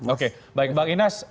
oke baik baik ines